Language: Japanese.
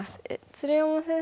鶴山先生は。